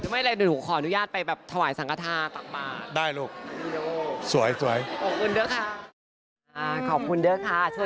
ไม่เลยหนูขออนุญาตไปแบบถวายสังฆาธาตักบาท